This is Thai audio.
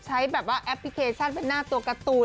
ใช้แบบว่าแอปพลิเคชันเป็นหน้าตัวการ์ตูน